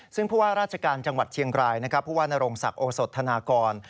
ซึ่งเพราะว่าราชการจังหวัดเชียงรายพระว่านโรงศักดิ์โอโสธนากร